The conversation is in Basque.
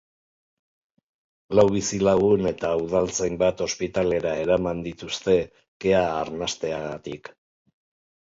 Lau bizilagun eta udaltzain bat ospitalera eraman dituzte, kea arnasteagatik.